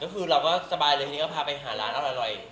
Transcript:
คือเราก็สบายเลยพร้อมพาไปร้านอร่อย